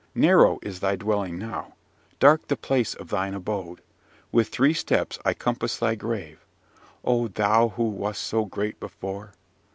"Narrow is thy dwelling now! dark the place of thine abode! With three steps I compass thy grave, O thou who wast so great before!